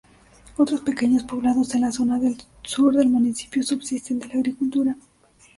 Otros pequeños poblados en la zona sur del municipio subsisten de la agricultura.